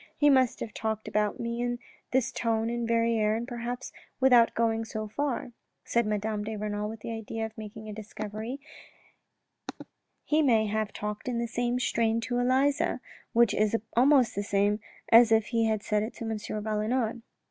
He must have talked about me in this tone in Verrieres and perhaps without going so far," said Madame Renal with the idea of making a discovery,' " he may have 138 THE RED AND THE BLACK talked in the same strain to Elisa, which is almost the same as if he had said it to M. Valenod."